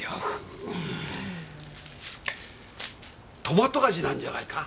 トマト味なんじゃないか？